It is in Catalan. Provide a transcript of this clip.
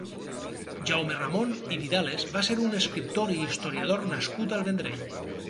Jaume Ramon i Vidales va ser un escriptor i historiador nascut al Vendrell.